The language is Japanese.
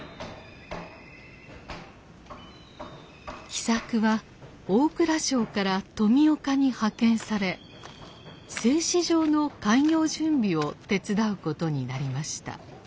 喜作は大蔵省から富岡に派遣され製糸場の開業準備を手伝うことになりました。